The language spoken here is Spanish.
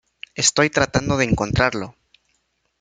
Estoy tratando de encontrarlo.